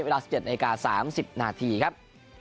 เวลา๑๗นาที๓๐นาทีครับ